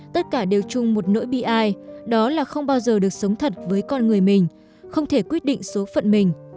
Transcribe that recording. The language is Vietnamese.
tất cả đều chung một nỗi bi ai đó là không bao giờ được sống thật với con người mình không thể quyết định số phận mình